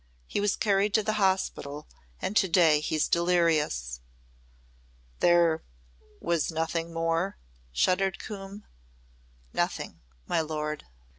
He was carried to the hospital and to day he's delirious." "There was nothing more?" shuddered Coombe. "Nothing, my lord."